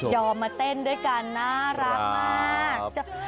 มาเต้นด้วยกันน่ารักมาก